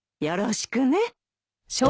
よろしくね。